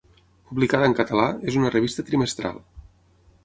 Publicada en català, és una revista trimestral.